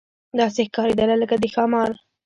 داسې ښکارېدله لکه د ښامار.